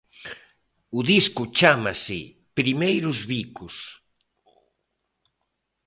O disco chámase 'Primeiros bicos'.